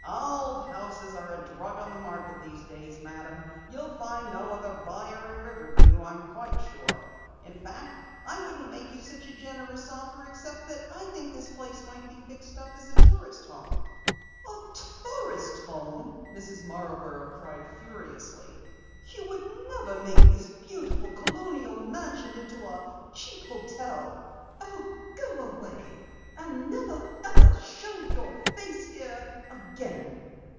"Old houses are a drug on the market these days, Madam. You'll find no other buyer in Riverview, I am quite sure. In fact; I wouldn't make you such a generous offer except that I think this place might be fixed up as a tourist home." "A tourist home!" Mrs. Marborough cried furiously. "You would make this beautiful, colonial mansion into a cheap hotel! Oh, go away, and never, never show your face here again!"